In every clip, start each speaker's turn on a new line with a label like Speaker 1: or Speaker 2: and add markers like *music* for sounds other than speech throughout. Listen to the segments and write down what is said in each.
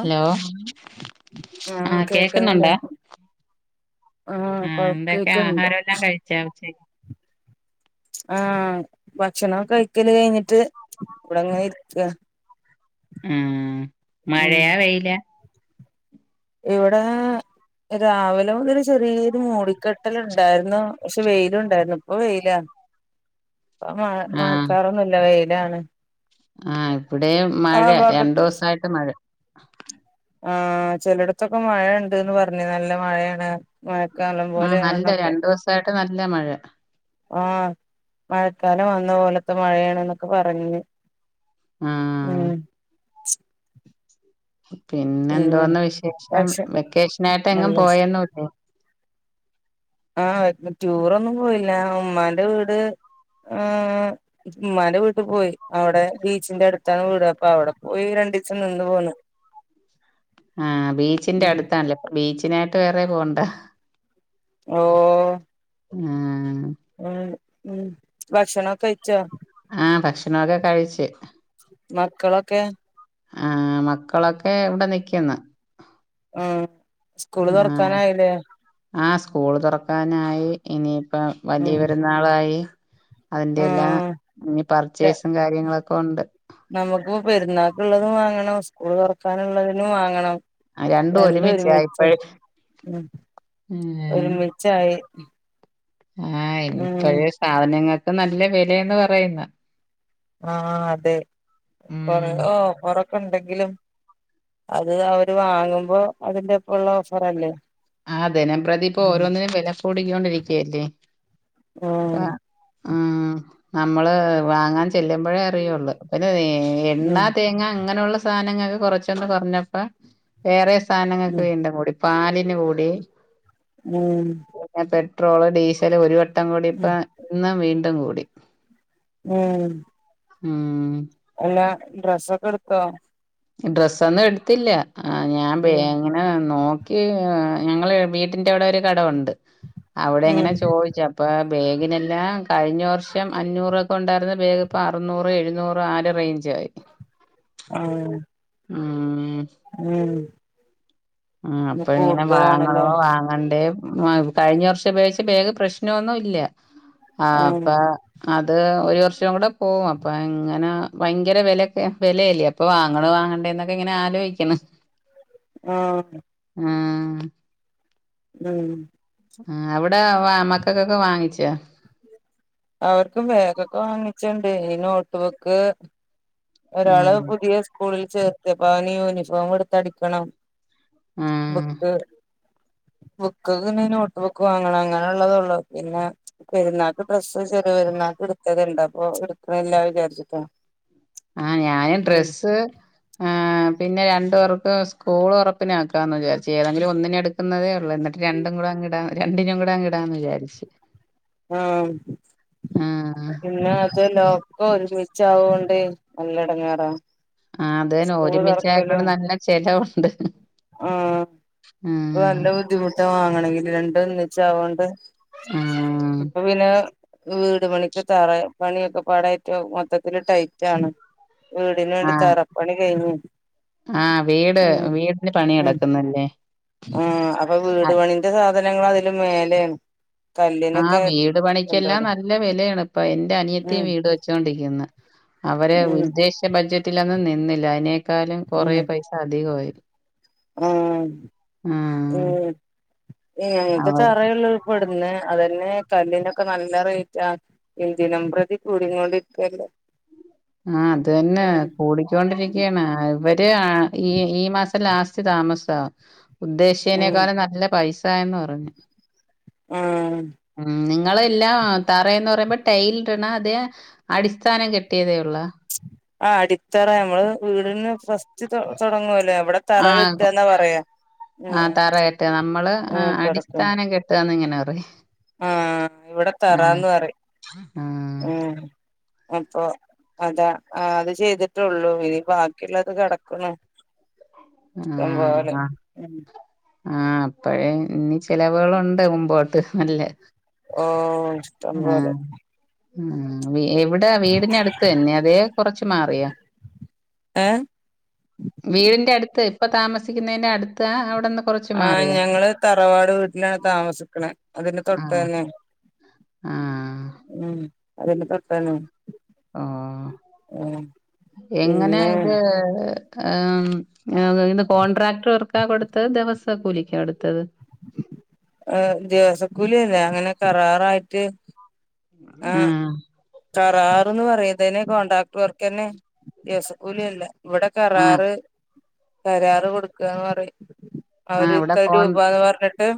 Speaker 1: Hello ആ
Speaker 2: ആഹ് കേൾക്കുന്നില്ലേ
Speaker 1: കേക്കുന്നൊണ്ടെ
Speaker 2: ആഹ്
Speaker 1: ആ
Speaker 2: കൊ
Speaker 1: എന്തൊക്കെയാ
Speaker 2: കേൾക്കണ്ട്
Speaker 1: ആഹാരവെല്ലാം കഴിച്ചാ ഉച്ചക്ക്
Speaker 2: ആ ഭക്ഷണൊക്കെ കഴിക്കല് കഴിഞ്ഞിട്ട് ഇവിടെ അങ്ങനെ ഇരിക്കാണ്.
Speaker 1: ആം
Speaker 2: ഉം
Speaker 1: മഴയാ വെയിലാ
Speaker 2: ഇവിടെ രാവിലെ മൊതല് ചെറിയൊരു മൂടിക്കെട്ടലൊണ്ടായിരുന്നു പക്ഷെ വെയിലുണ്ടായിരുന്നു ഇപ്പൊ വെയിലാണ്. ഇപ്പം മഴ മഴക്കാറൊന്നുല്ല വെയിലാണ്.
Speaker 1: ആ ഇവടേയും
Speaker 2: ആ
Speaker 1: മഴ
Speaker 2: ഭാഗ
Speaker 1: രണ്ടു ദിവസയിട്ട് മഴ
Speaker 2: ആ ചെലടത്തൊക്കെ മഴയുണ്ടേന്നു പറഞ്ഞു നല്ല മഴയാണ്. മഴക്കാലം പോലെയാണെന്നൊക്കെ.
Speaker 1: ഇപ്പായിട്ട് നല്ല മഴ
Speaker 2: ആ മഴക്കാലം വന്ന പോലത്തെ മഴയാണെന്നൊക്കെ പറഞ്ഞ്.
Speaker 1: ആഹ്
Speaker 2: ഉം
Speaker 1: പിന്നെ എന്തോന്ന് വിശേഷം
Speaker 2: പക്ഷെ
Speaker 1: വെക്കേഷനായിട്ട് എങ്ങും
Speaker 2: നല്ല
Speaker 1: പോയൊന്നുല്ലേ.
Speaker 2: ആ ടൂറൊന്നും പോയില്ല ഉമ്മാന്റെ വീട് ആഹ്. ഉമ്മാന്റെ വീട്ടി പോയി അവിടെ ബീച്ചിന്റെ അടുത്താണ് വീട് അപ്പൊ അവിടെ പോയി രണ്ടീസം നിന്നു പോന്നു.
Speaker 1: ആ ബീച്ചിന്റെ
Speaker 2: ഉം
Speaker 1: അടുത്താണല്ലേ അപ്പൊ ബീച്ചിനായിട്ട് വേറെ പോണ്ട.
Speaker 2: ഓ
Speaker 1: ങ്ങാ
Speaker 2: ഉം ഉം ഭക്ഷണം കഴിച്ചോ
Speaker 1: ആ ഭക്ഷണൊക്കെ കഴിച്ച്.
Speaker 2: മക്കളൊക്കെ
Speaker 1: ആ മക്കളൊക്കെ ഇവിടെ നിക്കുന്ന്.
Speaker 2: ആ സ്കൂള് തൊറക്കാനായില്ലേ.
Speaker 1: ആ സ്കൂള് തൊറക്കാനായി ഇനിയിപ്പം വലിയ
Speaker 2: ഉം
Speaker 1: പെരുന്നാളായി. അതിന്റെ എല്ലാ
Speaker 2: ഉം
Speaker 1: ഇനി പർച്ചേസും കാര്യങ്ങളൊക്കെ ഉണ്ട്.
Speaker 2: നമുക്കു പെരുന്നാക്കുള്ളതും വാങ്ങണം സ്കൂള് തൊറക്കാനുള്ളതിനും വാങ്ങണം. രണ്ടും
Speaker 1: ഒരുമിച്ചാ
Speaker 2: ഒരുമിച്ച്
Speaker 1: ഇപ്പഴ്
Speaker 2: ഉം
Speaker 1: ഏഹ്
Speaker 2: ഒരുമിച്ചായി
Speaker 1: ആഹ്
Speaker 2: ഉം
Speaker 1: ഇപ്പഴേ സാധനങ്ങൾക്ക് നല്ല വെലയാന്ന് പറയുന്നെ
Speaker 2: ആഹ് അതെ കൊറേ
Speaker 1: ഉം
Speaker 2: ഓഫറൊ ക്കെണ്ടെങ്കിലും അത് അവര് വാങ്ങുമ്പോ അതിന്റെ ഒപ്പവുള്ള ഓഫറല്ലേ
Speaker 1: ആ ദിനംപ്രതി ഇപ്പൊ
Speaker 2: ഉം
Speaker 1: ഓരോന്നിനും വിലക്കൂടിക്കോണ്ടിരിക്കല്ലേ
Speaker 2: ഉം
Speaker 1: ആ ആഹ് നമ്മള് വാങ്ങാൻ ചെല്ലുമ്പഴേ അറിയൊള്ളു പിന്നെ വെ എണ്ണ, തേങ്ങ ഇങ്ങനുള്ള സാധനങ്ങക്ക് കൊറച്ചൊന്ന് കുറഞ്ഞപ്പോ വേറെ സാധനങ്ങക്ക്
Speaker 2: ഉം
Speaker 1: വീണ്ടും കൂടി പാലിന് കൂടി
Speaker 2: ഉം
Speaker 1: പിന്നെ പെട്രോള്, ഡീസല് ഒരു വട്ടം കൂടി ഇന്നും വീണ്ടും കൂടി
Speaker 2: ഉം
Speaker 1: ഉം
Speaker 2: എല്ലാ ഡ്രസ്സൊക്കെ എടുത്തോ?
Speaker 1: ഡ്രസ്സൊന്നും എടുത്തില്ല ആ ഞാൻ
Speaker 2: ഉം
Speaker 1: ബേങ്ങണം ആ നോക്കി ആ ഞങ്ങളെ വീട്ടിന്റെ അവിടെ ഒരു കടവുണ്ട് അവിടെ ഇങ്ങനെ
Speaker 2: ഉം
Speaker 1: ചോയിച്ച് അ പ്പോ ബേഗിനെല്ലാം കഴിഞ്ഞ വർഷം അഞ്ഞൂറൊക്കെ ഉണ്ടായിരുന്ന ബേഗ് ഇപ്പോ അറുന്നൂറ് എഴുുന്നൂറ് ആ ഒരു റേ ഞ്ചായി
Speaker 2: ആഹ്
Speaker 1: ഉം
Speaker 2: ഉം
Speaker 1: ഉം
Speaker 2: ഇന്ന്
Speaker 1: അപ്പൊ ഇങ്ങനെ വാങ്ങണോ
Speaker 2: കൂടുതലാണല്ലേ
Speaker 1: വാ ങ്ങണ്ടേ കഴിഞ്ഞ വർഷം ഉപയോഗിച്ച ബാഗ് പ്രശ്നൊന്നും ഇല്ല ആ
Speaker 2: ഉം
Speaker 1: അപ്പ അത് ഒരു വർഷം കൂടെ പോവും അപ്പ ഇങ്ങനാ ഭയങ്കര വെലയൊക്കെ വെലയല്ലേ? അപ്പൊ വാങ്ങണോ വാങ്ങെണ്ടേന്നൊക്കെ ഇങ്ങനെ ആലോയിക്കുണ്
Speaker 2: ആഹ്
Speaker 1: ആഹ്
Speaker 2: ഉം
Speaker 1: ആഹ് അവിടെ വാ മക്കക്കൊക്കെ വാങ്ങിച്ചാ?
Speaker 2: അവർക്കും ബാഗൊക്കെ വാങ്ങിച്ച്ണ്ട് ഇനി നോട്ട് ബുക്ക് ഒരാള്
Speaker 1: ആഹ്
Speaker 2: പുതിയ സ്കൂളിൽ ചേർത്ത് അപ്പ അവന് യൂണിഫോം എടുത്തടിക്കണം
Speaker 1: ആഹ്
Speaker 2: ബുക്ക് ബുക്കൊക്കെ ഇനി നോട്ട് ബുക്ക് വാങ്ങണം അങ്ങനൊള്ളതൊള്ളൂ പിന്നെ പെരുന്നാക്ക് ഡ്രസ്സ് ചെറിയ പെരുന്നാക്ക് എടുത്തത്ണ്ട് അപ്പൊ എടുക്കണില്ലാ വിചാരിച്ചിട്ടാ
Speaker 1: ആഹ് ഞാനും ഡ്രസ്സ് ആഹ് പിന്നെ രണ്ടു പേർക്കും സ്കൂൾ തൊറപ്പിനാക്കാംന്ന് വിചാരിച്ചു ഏതെങ്കിലും ഒന്നിനെടുക്കുന്നതേ ഒള്ളേ എന്നി ട്ട് രണ്ടും കൂടങ്ങ്ടാ രണ്ടിനും കൂടങ്ങ് ഇടാന്ന് വിചാരിച്ച്
Speaker 2: ആഹ്
Speaker 1: ആഹ്
Speaker 2: പിന്നെ അത് ലോ ക്കൊ ഒരുമിച്ചാവോണ്ട് നല്ല എടങ്ങേറാ
Speaker 1: ആഹ് അതേനെ
Speaker 2: സ്കൂള്
Speaker 1: ഒരുമിച്ചായേക്കൊണ്ട്
Speaker 2: തൊറക്കലും
Speaker 1: നല്ല ചെലവൊണ്ട്
Speaker 2: ആഹ് ഇപ്പൊ നല്ല ബുദ്ധിമുട്ടാ വാങ്ങണെങ്കില് രണ്ട് ഒന്നിച്ചാവോണ്ട്
Speaker 1: ആഹ്
Speaker 2: ഇപ്പൊ പിന്നെ വീട് പണിക്ക് തറ പണിയൊക്കെപ്പാടായിട്ട് മൊത്തത്തില് ടൈറ്റാണ് വീടിന് വേണ്ടി തറപ്പണി കഴിഞ്ഞ്
Speaker 1: ആഹ വീട് വീട്ടിന് പണി നടക്കുന്നല്ലേ
Speaker 2: ഉം അപ്പൊ വീട് പണീന്റെ സാധനങ്ങള് അതില് മേലെണ്
Speaker 1: ആഹ് വീട് പണിക്കെല്ലാം
Speaker 2: എന്തോരം
Speaker 1: നല്ല വെലയാണ് ഇപ്പൊ എന്റെ അനിയത്തിം
Speaker 2: ഉം
Speaker 1: വീട് വെച്ചോണ്ടിക്കുന്ന് അവര്
Speaker 2: ഉം
Speaker 1: ഉദ്ദേശിച്ച ബഡ്ജറ്റിലൊന്നും നിന്നില്ല അയിനേക്കാലും
Speaker 2: ഉം
Speaker 1: കൊറേ പൈസ അധികവായി
Speaker 2: ഉം ഉം ഇങ്ങനത്തെ
Speaker 1: അവര്
Speaker 2: തറയൊള് ഇപ്പ ഇടുന്നെ അതന്നെ കല്ലിനൊക്കെ നല്ല റേറ്റാ എന്തിനം പ്രതി കൂടീങ്ങോണ്ടിക്കല്ലേ
Speaker 1: ആഹ് അതന്നെ
Speaker 2: ഉം
Speaker 1: കൂടിക്കോണ്ടിരിക്കാണ് ആഹ് ഇവ ര് ആഹ് ഈ ഈ മാസം ലാസ്റ്റ് താമസവാ
Speaker 2: ഉം
Speaker 1: ഉദ്ദേശ്ചേനേക്കാളം നല്ല പൈസ് ആയന്ന് പറഞ്ഞ്
Speaker 2: ആഹ്
Speaker 1: ഉം നിങ്ങളെല്ലാം തറേന്ന് പറീമ്പോ ടൈലിട്ടണാ അതെയാ അടിസ്ഥാനം കെ ട്ട്യേതേ ഉള്ളാ
Speaker 2: ആഹ് അടിത്തറ നമ്മള് വീടിന് ഫസ്റ്റ് തൊ തൊടങ്ങുവല്ലേ അവിടെ തറ
Speaker 1: ആഹ്
Speaker 2: കെട്ടാന്നാ പറയാ ഉം
Speaker 1: ആഹ് തറയിട്ട് നമ്മള്
Speaker 2: ഉം
Speaker 1: ആഹ് അടിസ്ഥാനം കെട്ടുകാന്നിങ്ങനറി
Speaker 2: ആഹ് ഇവിടെ തറാന്ന് പറയും
Speaker 1: ആഹ്
Speaker 2: ഉം അപ്പൊ അതാ ആഹ് അത് ചെയ്തിട്ടുള്ളൂ ഇനി ബാക്കിയുള്ളത് കെടക്കണു
Speaker 1: ആഹ്- ആഹ്
Speaker 2: ഉം
Speaker 1: ആഹ് അപ്പഴേ ഇനി ചെലവുകളുണ്ട് മുമ്പോട്ട് നല്ലെ
Speaker 2: ഓ ഇഷ്ടം പോലെ
Speaker 1: ആഹ് ഉം വി എവിടാ വീടിനടുത്ത് തന്നെ അതേ കൊറച്ച് മാറിയാ
Speaker 2: ഏഹ്
Speaker 1: വീടിന്റെ അടുത്ത് ഇപ്പൊ താമസിക്കുന്നന്റെ അടുത്താ അവിടന്ന്
Speaker 2: ആഹ് ഞങ്ങള് തറവാട് വീട്ടിനാണ് താമസിക്കണെ അതിന്റെ തൊട്ട്
Speaker 1: ആഹ്
Speaker 2: തന്നെ
Speaker 1: ആഹ്
Speaker 2: ഉം അതിന്റെ തൊട്ടന്നെ
Speaker 1: ആഹ്
Speaker 2: ഉം
Speaker 1: എങ്ങനാ
Speaker 2: പിന്നെ
Speaker 1: ഇത് ആഹ് ഇത് കോൺട്രാക്ട് വർക്കാ കൊടുത്തത് ദിവസ കൂലിക്കാ കൊടുത്തത്
Speaker 2: ഏഹ് ദിവസക്കൂലി അല്ല അങ്ങനെ കരാറായിട്ട് ആഹ് കരാറ്ന്ന് പറയുന്നന്നെ കോണ്ടട്രാക്ടർ വർക്കന്നെ ദിവസകൂല്യല്ല. ഇവിടെ
Speaker 1: ആഹ്
Speaker 2: കരാറ് കരാറ് കൊടുക്കാന്ന് പറയും. അവര് ഇത്ര രൂപാന്ന് പറഞ്ഞിട്ട്.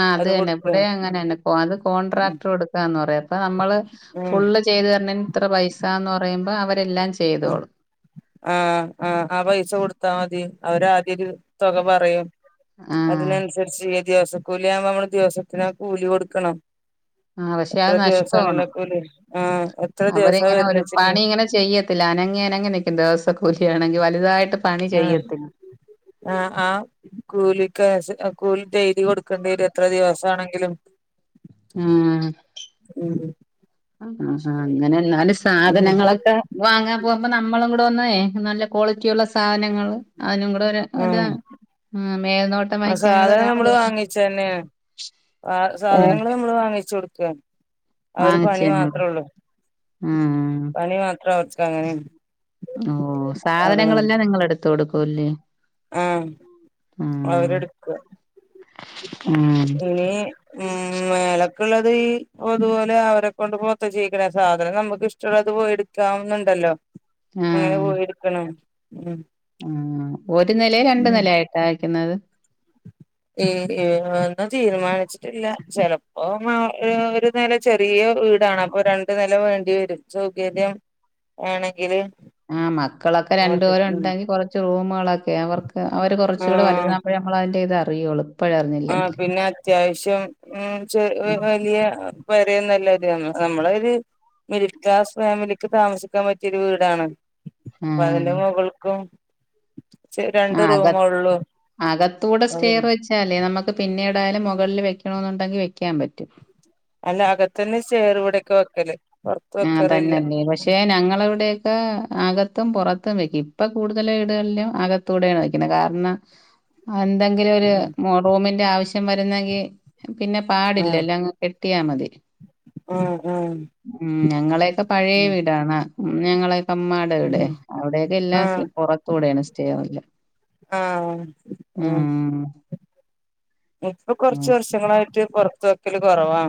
Speaker 1: ആഹ്
Speaker 2: അത്
Speaker 1: അതന്നെ
Speaker 2: കൊടുക്ക
Speaker 1: ഇവിടെ അങ്ങനെന്നെ അത്
Speaker 2: ഉം
Speaker 1: കോൺട്രാക്ടറോട്. ന്ന് പറയാ അപ്പ നമ്മള്
Speaker 2: ഉം
Speaker 1: ഫുള്ള് ചെയ്ത് തരണേന് ഇത്ര പൈസ എന്ന് പറയുമ്പോ അവരെല്ലാം. ച്
Speaker 2: ഉം ആഹ് ആഹ് ആ പൈസ കൊടുത്താ മതി അവര് ആദ്യ ഒരു തുക പറയും.
Speaker 1: ആഹ്
Speaker 2: അതിനനുസരിച്ച് ദിവസ കൂലി ആവുമ്പോ നമ്മള് ദിവസത്തിന ആ കൂലി കൊടുക്കണം.
Speaker 1: ആ പക്ഷെ
Speaker 2: എത്ര
Speaker 1: അത്
Speaker 2: ദിവസണേലും
Speaker 1: നഷ്ടമാണ്.
Speaker 2: ആഹ് കൂലി ആഹ് എത്ര ദിവസം
Speaker 1: അവരിങ്ങനെ ഒരു
Speaker 2: വരുന്നെച്ചെങ്കി.
Speaker 1: പണി ഇങ്ങനെ ചെയ്യത്തില്ല അനങ്ങി അനങ്ങി നിക്കും ദിവസ കൂലിയാണെങ്കി വലുതായിട്ട് പണി ചെയ്യത്തില്ല.
Speaker 2: ആഹ് ആഹ് കൂലിക്ക് കൂലി ഡെയിലി കൊടുക്കേണ്ടി വരും എത്ര ദിവസാണെങ്കിലും.
Speaker 1: ഉം
Speaker 2: ഉം
Speaker 1: ആഹാ അങ്ങനെന്നാലും
Speaker 2: ഉം
Speaker 1: സാധനങ്ങളൊക്കെ. വാങ്ങാൻ പോകുമ്പ നമ്മളും കൂടെ ഒന്നേ നല്ല ക്വാളിറ്റി ഉള്ള സാധനങ്ങൾ അതിനും കൂടെ ഒരു ഒരു മേൽനോ
Speaker 2: ആഹ് സാധനം നമ്മള് വാങ്ങിച്ച് തന്നെയാ
Speaker 1: ഉം.
Speaker 2: സാധനങ്ങള് നമ്മള് വാങ്ങിച്ച് കൊടുക്കുക അവര്
Speaker 1: വാങ്ങിച്ച്
Speaker 2: പണി
Speaker 1: തന്നെ.
Speaker 2: മാത്രേ ഉള്ളൂ
Speaker 1: ഉം.
Speaker 2: പണി മാത്രവേ അവർക്ക് അങ്ങനെ
Speaker 1: ഓ സാധനങ്ങളെല്ലാം നിങ്ങള് എടുത്ത് കൊടുക്കുവല്ലേ
Speaker 2: അവരെടുക്കുവാ
Speaker 1: ഉം
Speaker 2: നീ ഉം മേലക്കുള്ളത് അതുപോലെ അവരെക്കൊണ്ട് മൊത്ത ചെയിക്കണ സാധനം നമുക്ക് ഇഷ്ടമുള്ളത് പോയി എടു ക്കാവുന്നുണ്ടല്ലോ അങ്ങനെ പോയി എടുക്കണം ഉം
Speaker 1: ഉ ഒരു നിലയാ രണ്ട്
Speaker 2: ഉം
Speaker 1: നിലായായിട്ടാ വെക്കുന്നത്
Speaker 2: ഏ ഈ ഒന്നും തീരുമാനിച്ചിട്ടില്ല ചെലപ്പോ മാ ഒരു നില ചെറിയ വീടാണ് അപ്പൊ രണ്ട് നെല വേണ്ടി വരും സൗകര്യം വേണെങ്കില്
Speaker 1: ആഹ് മക്കളൊക്കെ രണ്ട് പേരുണ്ടെങ്കി കൊറച്ച് റൂമുകളൊക്കെ അവർക്ക് അവര് കൊറച്ചുകൂടെ
Speaker 2: ആഹ്
Speaker 1: വലുതാവുമ്പോഴും നമ്മൾ അതിന്റെ ഇത് അറിയൂള്ളൂ
Speaker 2: ആഹ് പിന്നെ അത്യാവശ്യം ഉ ചെറി വലിയ പെരയും നല്ലൊരു വന്നു നമ്മളൊരു മിഡിൽ ക്ലാസ് ഫാമിലിക്ക് താമസിക്കാൻ പറ്റിയൊരു വീടാണ് അപ്പൊ അതിന്റെ
Speaker 1: ആഹ്
Speaker 2: മുകൾക്കും രണ്ട്
Speaker 1: ആഹ് അക
Speaker 2: റൂമൊള്ളൂ
Speaker 1: അകത്തൂടെ സ്റ്റെയർ വെച്ചാ ലല്ലേ നമുക്ക് പിന്നീടായാലും മുകളിൽ വെക്കണോന്നുണ്ടെങ്കിൽ വെക്കാൻ പറ്റും
Speaker 2: അല്ല അകത്തുന്ന് സ്റ്റെയറ് ഇവിടൊക്കെ വെക്കല് പൊറത്ത്
Speaker 1: ആഹ്
Speaker 2: വെക്കാറില്ല
Speaker 1: തന്നെല്ലേ പക്ഷേ പക്ഷെ ഞങ്ങളെ ഇവിടെയൊക്കെ അകത്തും പുറത്തും വെക്കും ഇപ്പ കൂടുതല് വീടുകളിലും അക ത്തൂടെയാണ് വെക്കുന്നത് കാരണം എന്തെങ്കിലും ഒരു
Speaker 2: ഉം
Speaker 1: റൂമിന്റെ ആവശ്യം വരുന്നെങ്കിൽ പിന്നെ
Speaker 2: ആഹ്
Speaker 1: പാടില്ലല്ലോ അങ്ങ് കെട്ടിയാ മതി
Speaker 2: ആഹ് ആഹ്
Speaker 1: ഉം ഞങ്ങളെയൊക്കെ പഴയ വീടാണ് ഞങ്ങളെയൊക്കെ ഉമ്മ ഇവിടെ
Speaker 2: ഉം
Speaker 1: അവിടെയൊക്കെ എല്ലാ
Speaker 2: ആഹ്
Speaker 1: പുറത്തു കൂടെയാണ് സ്റ്റെയർ എല്ലാം
Speaker 2: ആഹ് ആ
Speaker 1: ഉം
Speaker 2: ഇപ്പൊ കൊറച്ച് വർഷങ്ങളായിട്ട് പുറത്ത് വെക്കല് കുറവാ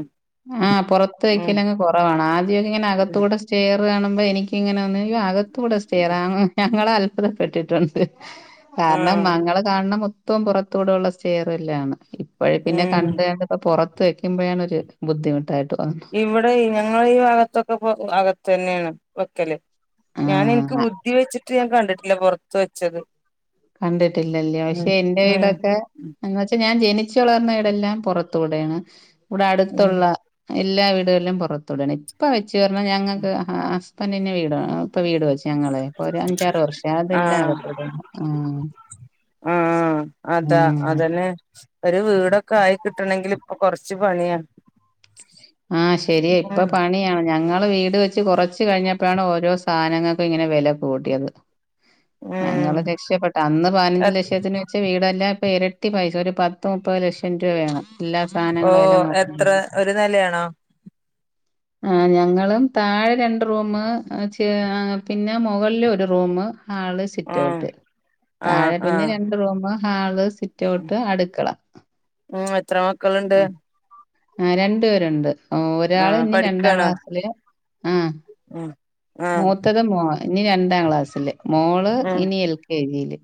Speaker 1: ആഹ് പുറത്ത് വെക്കലങ്ങ് കൊ കൊറവാണ് ആദ്യവൊക്കെ ഇങ്ങനെ അകത്തൂടെ സ്റ്റയറ് കാണുമ്പൊ എനിക്കിങ്ങനെ ഒന്ന് അയ്യോ അക ത്തൂടെ സ്റ്റെയറോ ഞങ്ങള് അത്ഭുതപ്പെട്ടിട്ടുണ്ട് കാരണം
Speaker 2: ആഹ്
Speaker 1: ഞങ്ങൾ കാണണ മൊ ത്തം പുറത്തൂടെ ഉള്ള സ്റ്റേറല്ലാണ് ഇപ്പോഴ പിന്നെ
Speaker 2: ഉം
Speaker 1: കണ്ട കണ്ടപ്പോ പൊറത്ത് വെക്കുമ്പോഴാണ് ഒരു ബുദ്ധിമുട്ടായിട്ട് തോന്നും
Speaker 2: ഇവിടെ ഈ ഞങ്ങളെ ഈ ഭാഗത്തൊക്കെ ഇപ്പോ അകത്ത് തന്നെയാണ് വെക്കല് ഞാന് എനിക്ക്
Speaker 1: ആഹ്
Speaker 2: ബുദ്ധി വെച്ചിട്ട് ഞാൻ കണ്ടിട്ടില്ല പൊറത്ത് വെച്ചത്
Speaker 1: കണ്ടിട്ടില്ല അല്ലയോ
Speaker 2: ഉം
Speaker 1: പക്ഷെ എന്റെ
Speaker 2: ഉം
Speaker 1: വീടൊക്കെ എന്ന് വെച്ചാ ഞാൻ ജനിച്ച് വളർന്ന വീടെല്ലാം പുറത്തൂടെയാണ് ഇവിടെ
Speaker 2: ഉം
Speaker 1: അടുത്തുള്ള എല്ലാ വീടുകളിലും പുറത്തൂടെയാണ് ഇപ്പൊ വെച്ച് പറഞ്ഞാ ഞങ്ങൾക്ക് ആഹ് *unintelligible* വീട് ഇപ്പൊ വീട് വെച്ച് ഞങ്ങളെ ഇപ്പൊ ഒരു അഞ്ചാറ് വർഷം അതെല്ലാം അകത്തൂടെയാണ് ആഹ്
Speaker 2: ആഹ് അതാ
Speaker 1: ഉം
Speaker 2: അതെ പിന്നെ ഒരു വീടൊക്കെ ആയി കിട്ടണേങ്കില് ഇപ്പൊ കൊറച്ച് പണിയാ
Speaker 1: ആഹ് ശെരിയ ഇപ്പൊ
Speaker 2: ഉം
Speaker 1: പണിയാണ് ഞങ്ങള് വീട് വെച്ച് കൊറച്ച് കഴിഞ്ഞപ്പോഴാണ് ഓരോ സാനങ്ങക്കും ഇങ്ങനെ വെല കൂടിയത്
Speaker 2: ഉം
Speaker 1: ഞങ്ങള് രക്ഷപ്പെട്ട അന്ന് പയിനഞ്ച് ലക്ഷത്തിന് ച്ച വീടെല്ലാം ഇപ്പൊ ഇരട്ടി പൈസ ഒരു പത്ത് മുപ്പത് ലക്ഷം രൂപ വേണം എല്ലാ
Speaker 2: ഓ
Speaker 1: സാനങ്ങളും എല
Speaker 2: എത്ര
Speaker 1: നോക്കും
Speaker 2: ഒരു നെലയാണോ
Speaker 1: ആഹ് ഞങ്ങളും താഴെ രണ്ട് റൂമ് അ ചെ പിന്നെ മുകളില് ഒരു റൂമ് ഹാള് ചെ
Speaker 2: ആ
Speaker 1: സിറ്റ്ഔട്ട്.
Speaker 2: ആ
Speaker 1: താഴെ
Speaker 2: ആ
Speaker 1: പിന്നെ രണ്ട് റൂമ് ഹാള് സിറ്റ്ഔട്ട് അടുക്കള
Speaker 2: ഉം എത്ര മക്കളുണ്ട്
Speaker 1: ആഹ് രണ്ടു പേരുണ്ട്
Speaker 2: ആ
Speaker 1: ഒരാള് ഇനി രണ്ടാം
Speaker 2: പഠിക്കാണോ
Speaker 1: ക്ലാസ്സില് ആഹ്
Speaker 2: ഉം ആ
Speaker 1: മൂത്തത് മോ ഇനി രണ്ടാം ക്ലാസില് മോള്
Speaker 2: ഉം
Speaker 1: ഇനി എൽ കെജില്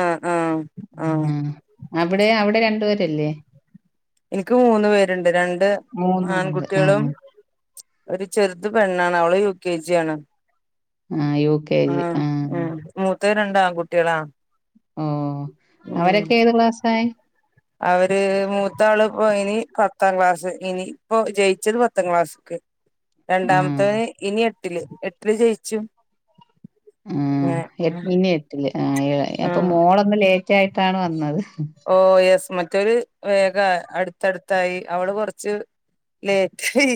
Speaker 2: ആ ആ ആ
Speaker 1: ആഹ് അവിടെ അവിടെ രണ്ടുപേരില്ലേ
Speaker 2: എനിക്ക് മൂന്ന് പേരുണ്ട് രണ്ട്
Speaker 1: മൂന്ന് പേരുണ്ട്
Speaker 2: ആൺകുട്ട്യേളും
Speaker 1: ആഹ്
Speaker 2: ഒരു ചെറുത് പെണ്ണാണ് അവള് യുകെജിയാണ്
Speaker 1: ആഹ് യുകെജി ആഹ്
Speaker 2: ഉം മൂത്തത് രണ്ടാക്കുട്ട്യേളാ
Speaker 1: ഓ അവരൊക്കെ ഏത് ക്ലാസ്സായി
Speaker 2: അവര് മൂത്ത ആള് പോ ഇനി പത്താം ക്ലാസ് ഇനി ഇപ്പൊ ജയിച്ചത് പത്താം ക്ലാസ്ക്ക്
Speaker 1: ആഹ്
Speaker 2: രണ്ടാമത്തൊന് ഇനി എട്ടില് എട്ടില് ജയിച്ചു അങ്ങനെ
Speaker 1: ആഹ് ഇനി എട്ടില് ആഏ അപ്പൊ
Speaker 2: ആഹ്
Speaker 1: മോളൊന്ന് ലേറ്റായിട്ടാണ് വന്നത്
Speaker 2: ഓ യെസ് മറ്റൊരു വേഗ അടുത്തടുത്തായി അവള് കൊറച്ച് ലേറ്റായി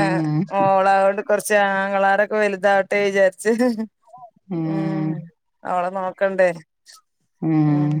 Speaker 2: ആഹ് ഓളാവൊണ്ട് കൊർച്ച് ആങ്ങളാരൊക്കെ വലുതാവട്ടെ വിചാരിച്ച് ഉം
Speaker 1: ആഹ്
Speaker 2: അവളെനോക്കണ്ടേ
Speaker 1: ഉം
Speaker 2: ഉം